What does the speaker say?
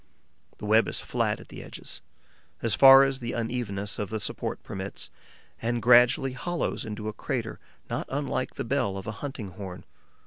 The web is flat at the edges, as far as the unevenness of the support permits, and gradually hollows into a crater, not unlike the bell of a hunting horn.